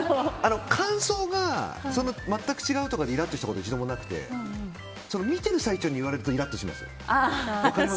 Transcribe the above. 感想が全く違うとかでイラッとしたことはなくて見てる最中に言われるとイラッとします。